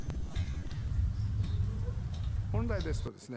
本来ですとですね